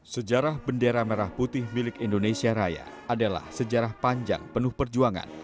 sejarah bendera merah putih milik indonesia raya adalah sejarah panjang penuh perjuangan